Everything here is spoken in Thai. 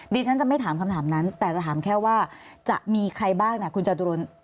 ดิฉันจะไม่ถามคำถามนั้นแต่จะถามแค่ว่าจะมีใครบ้างคุณจตุรน